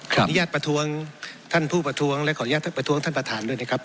ขออนุญาตประท้วงท่านผู้ประท้วงและขออนุญาตประท้วงท่านประธานด้วยนะครับ